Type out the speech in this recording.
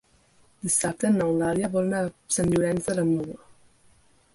Dissabte n'Eulàlia vol anar a Sant Llorenç de la Muga.